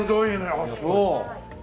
ああそう。